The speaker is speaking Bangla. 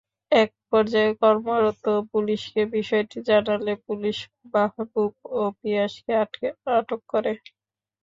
একপর্যায়ে কর্তব্যরত পুলিশকে বিষয়টি জানালে পুলিশ মাহবুব ও পিয়াসকে আটক করে।